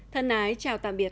thân ái chào tạm biệt